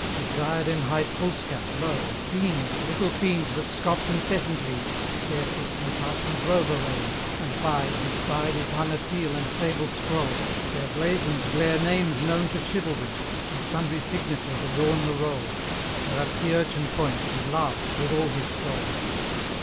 With diadem hight foolscap, lo! a fiend, A little fiend that scoffs incessantly, There sits in parchment robe arrayed, and by His side is hung a seal and sable scroll, Where blazoned glare names known to chivalry, And sundry signatures adorn the roll, Whereat the urchin points, and laughs with all his soul.